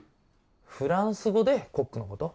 フランス語でコックのこと